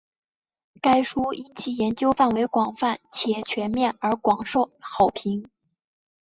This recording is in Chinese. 该书因其研究范围广泛且全面而广受好评。